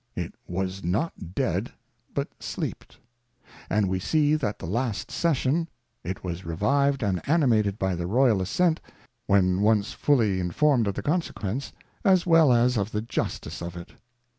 It was not Dead but Sleeped ; and we see that the last Session, it was revived and animated by the Royal A.ssent, when once fully inform'd of the Consequence, as well as of the Justice of it.